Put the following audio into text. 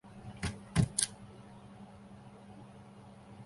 大厦更是全港首幢每层均设置绿化平台及空中花园的商业大厦。